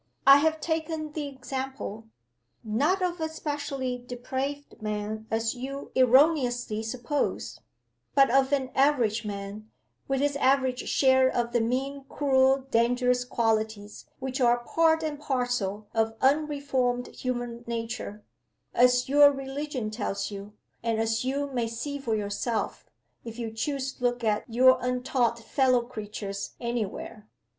I have taken the example not of a specially depraved man, as you erroneously suppose but of an average man, with his average share of the mean, cruel, and dangerous qualities, which are part and parcel of unreformed human nature as your religion tells you, and as you may see for yourself, if you choose to look at your untaught fellow creatures any where.